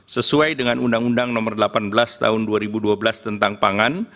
sesuai dengan undang undang nomor delapan belas tahun dua ribu dua belas tentang pangan